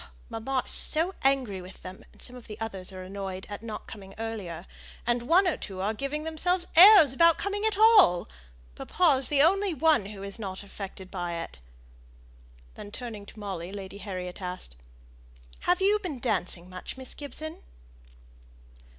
Mamma is so angry with her, and some of the others are annoyed at not coming earlier, and one or two are giving themselves airs about coming at all. Papa is the only one who is not affected by it." Then turning to Molly Lady Harriet asked, "Have you been dancing much, Miss Gibson?"